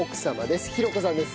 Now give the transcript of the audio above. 寛子さんです。